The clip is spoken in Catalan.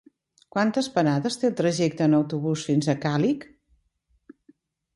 Quantes parades té el trajecte en autobús fins a Càlig?